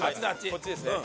こっちですね。